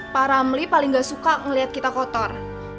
pak ramli paling gak suka ngelihat kita kotor